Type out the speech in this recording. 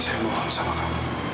saya mau bersama kamu